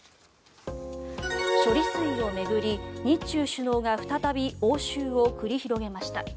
処理水を巡り、日中首脳が再び応酬を繰り広げました。